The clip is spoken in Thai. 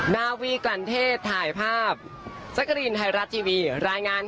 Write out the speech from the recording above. นาวีกรันเทศถ่ายภาพสกรีนไทยรัสทีวีรายงานค่ะ